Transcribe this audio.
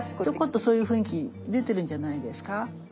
ちょこっとそういう雰囲気出てるんじゃないですか。